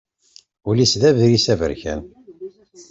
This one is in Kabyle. Ul-is d agris aberkan.